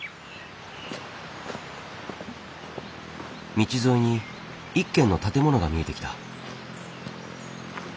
道沿いに一軒の建物が見えてきた。